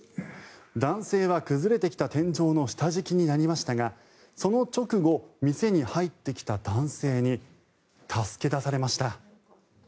男性は、崩れてきた天井の下敷きになりましたがその直後、店に入ってきた男性に助け出されました。